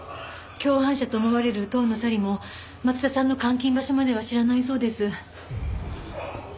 共犯者と思われる遠野紗里も松田さんの監禁場所までは知らないそうです。